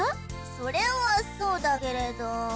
それはそうだけれど。